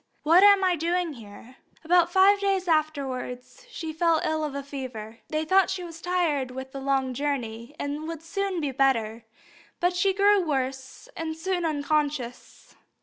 What am I doing here?" About five days afterwards she fell ill of a fever. They thought she was tired with the long journey, and would soon be better; but she grew worse, and was soon unconscious.